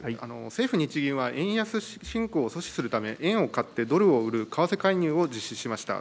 政府・日銀は円安進行を阻止するため円を買ってドルを売る為替介入を実施しました。